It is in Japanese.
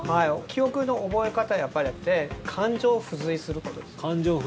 記憶の覚え方はやっぱりあって感情を付随することです。